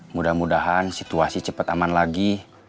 mudah mudahan situasi cepat aman lagi